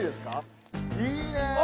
いいね。